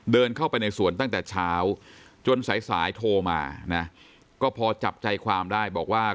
เดินเข้าไปในสวนตั้งแต่เช้าจนสายสายโทรมานะก็พอจับใจความได้บอกว่า